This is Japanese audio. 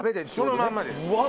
そのまんまです。